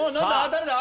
誰だ？